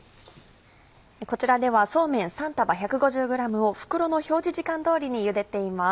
こちらではそうめん３束１５０ｇを袋の表示時間通りにゆでています。